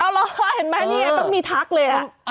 เอาเหรอเห็นไหมเนี่ยต้องมีทักเลย